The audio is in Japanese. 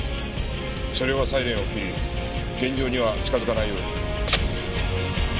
車両はサイレンを切り現場には近づかないように。